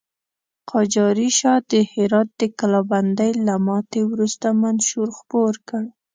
قاجاري شاه د هرات د کلابندۍ له ماتې وروسته منشور خپور کړ.